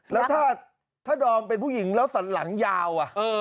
แล้วถ้าดอมเป็นผู้หญิงแล้วสันหลังยาว